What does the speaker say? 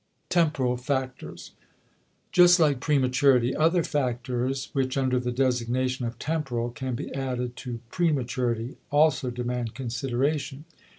*Temporal Factors.* Just like prematurity, other factors, which under the designation of temporal can be added to prematurity, also demand consideration.